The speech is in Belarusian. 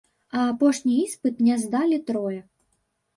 А апошні іспыт не здалі трое.